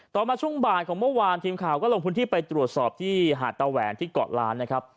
มาช่วงบ่ายของเมื่อวานทีมข่าวก็ลงพื้นที่ไปตรวจสอบที่หาดตะแหวนที่เกาะล้านนะครับ